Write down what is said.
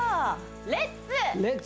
レッツ！